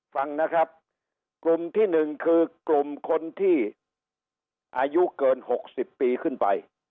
ฟังนะครับกลุ่มที่๑คือกลุ่มคนที่อายุเกิน๖๐ปีขึ้นไป